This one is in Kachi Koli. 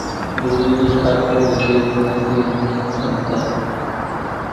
ڌوڙيلي ڪاڪو ڀتريزو نٿي رمي ۿڳتا،